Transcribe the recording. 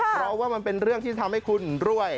เพราะว่ามันเป็นเรื่องที่ทำให้คุณรวย